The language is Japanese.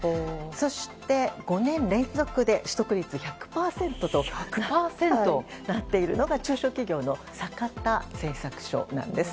そして、５年連続で取得率１００％となっているのが中小企業のサカタ製作所です。